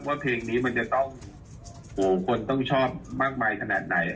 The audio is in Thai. เพลงนี้มันจะต้องโหคนต้องชอบมากมายขนาดไหน